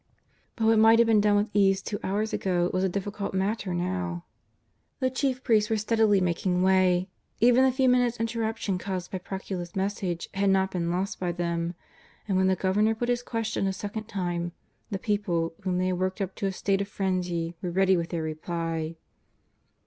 But what might have been done with ease two hours ago was a difficult matter now. The chief priests were steadily making way, even the few minutes' interruption caused by Procula's message had not been lost by them; and when the Governor put his question a second time, the people, whom they had worked up to a state of frenzy, were ready with their reply.